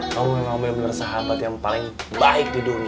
kamu emang bener bener sahabat yang paling baik di dunia